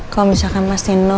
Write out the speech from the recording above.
kalau misalkan mas tino